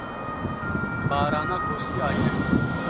barana kosiya ye.